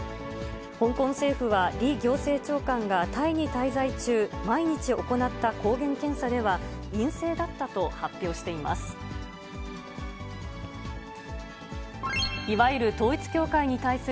香港政府は李行政長官がタイに滞在中、毎日行った抗原検査では陰性だったと発表しています。